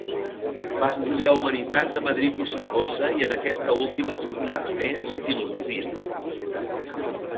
Va estudiar humanitats a Madrid i Saragossa, i en aquesta última ciutat a més Filosofia.